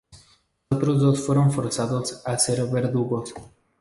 Los otros dos fueron forzados a ser verdugos.